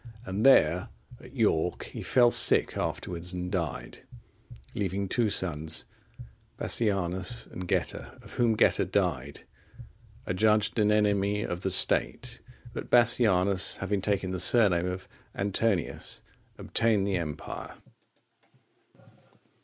And there, at York, he fell sick afterwards and died, leaving two sons, Bassianus and Geta;(45) of whom Geta died, adjudged an enemy of the State; but Bassianus, having taken the surname of Antonius, obtained the empire.